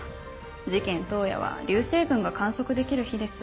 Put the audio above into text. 事件当夜は流星群が観測できる日です。